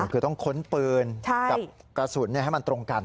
คือต้องค้นปืนกับกระสุนให้มันตรงกัน